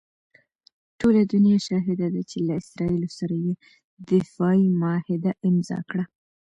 ټوله دنیا شاهده ده چې له اسراییلو سره یې دفاعي معاهده امضاء کړه.